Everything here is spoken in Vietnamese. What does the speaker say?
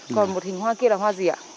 còn một hình hoa kia là hoa gì ạ